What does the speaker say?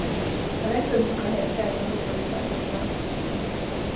A legtöbb munkahely a feldolgozóiparban van.